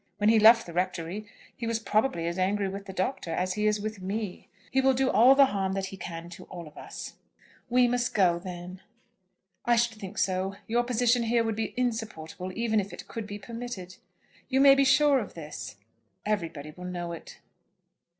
When he left the rectory, he was probably as angry with the Doctor as he is with me. He will do all the harm that he can to all of us." "We must go, then?" "I should think so. Your position here would be insupportable even if it could be permitted. You may be sure of this; everybody will know it."